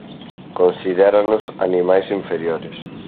Considéranos animais inferiores.